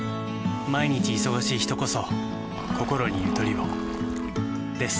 毎日忙しい人こそこころにゆとりをです。